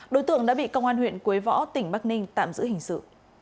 đối tượng đã bị công an huyện quế võ tỉnh bắc ninh tạm giữ hình sự